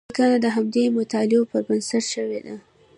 لیکنه د همدې مطالعاتو پر بنسټ شوې ده.